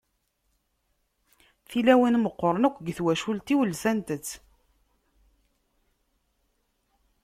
Tilawin meqqren akk deg twacult-iw lsant-tt.